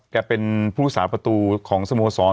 แกเป็นฟุตสาปประตูของสโมสร